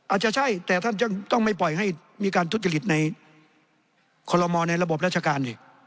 อาจจะใช่แต่ท่านจะต้องไม่ปล่อยให้มีการทุจริตในคอลโลมอลในระบบราชการอีก